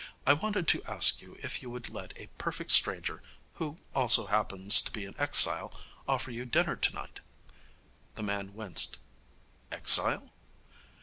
'I wanted to ask you if you would let a perfect stranger, who also happens to be an exile, offer you dinner tonight.' The man winced. 'Exile?'